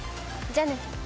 じゃあね。